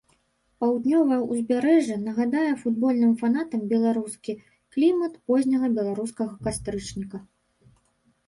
Паўднёвае ўзбярэжжа нагадае футбольным фанатам беларускі клімат позняга беларускага кастрычніка.